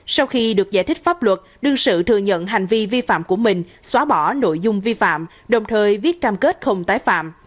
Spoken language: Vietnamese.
sau khi được giải thích pháp luật đương sự thừa nhận hành vi vi phạm của mình xóa bỏ nội dung vi phạm đồng thời viết cam kết không tái phạm